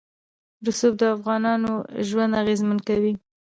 رسوب د افغانانو ژوند اغېزمن کوي.